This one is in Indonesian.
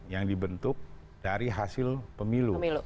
yang dibentuk dari hasil pemilu